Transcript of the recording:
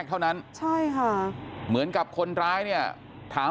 ของนอกระบบไม่มีค่ะ